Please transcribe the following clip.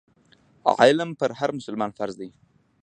علم پر هر مسلمان فرض دی.